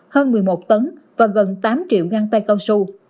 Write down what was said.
hơn một mươi một tấn và gần tám triệu găng tay cao su